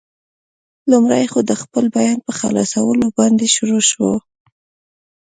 لومړی خو، د خپل بیان په خلاصولو باندې شروع شو.